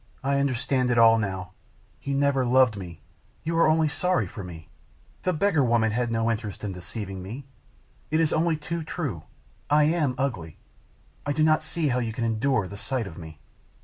I understand it all now; you never loved me; you are only sorry for me. The beggar woman had no interest in deceiving me. It is only too true I am ugly. I do not see how you can endure the sight of me."